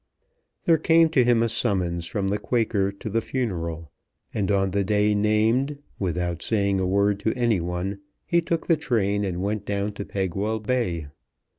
There came to him a summons from the Quaker to the funeral, and on the day named, without saying a word to any one, he took the train and went down to Pegwell Bay.